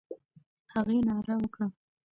هغې ناره وکړه.